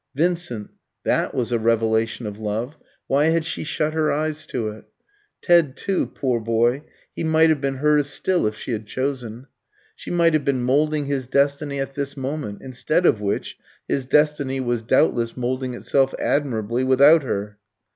Vincent that was a revelation of love why had she shut her eyes to it? Ted too, poor boy, he might have been hers still if she had chosen. She might have been moulding his destiny at this moment instead of which, his destiny was doubtless moulding itself admirably without her.